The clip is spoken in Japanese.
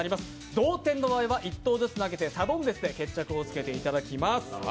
同点の場合は１投ずつ投げてサドンデスで決着をつけていただきます。